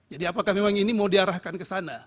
jadi apakah memang ini mau diarahkan ke sana